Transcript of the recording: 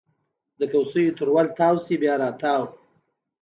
د کوڅېو تر ول تاو شي بیا راتاو